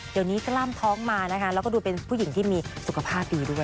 เดี๋ยวนี้กล้ามท้องมานะคะแล้วก็ดูเป็นผู้หญิงที่มีสุขภาพดีด้วย